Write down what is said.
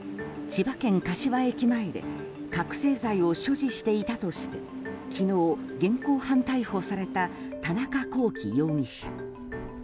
千葉県柏駅前で覚醒剤を所持していたとして昨日、現行犯逮捕された田中聖容疑者。